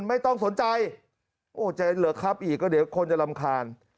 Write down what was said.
ไม่ต้องสนใจโอ้จะเหลือครับอีกก็เดี๋ยวคนจะรำคาญ